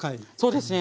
そうですね。